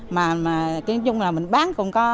mà nói chung là mình bán cũng có